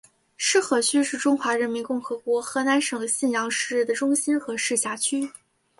浉河区是中华人民共和国河南省信阳市的中心和市辖区。